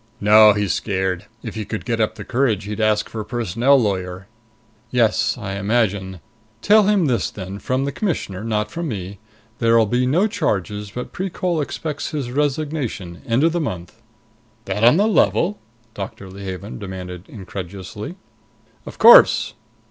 "No. He's scared. If he could get up the courage, he'd ask for a personnel lawyer." "Yes, I imagine. Tell him this then from the Commissioner; not from me there'll be no charges, but Precol expects his resignation, end of the month." "That on the level?" Doctor Leehaven demanded incredulously. "Of course."